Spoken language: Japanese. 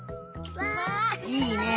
いいね。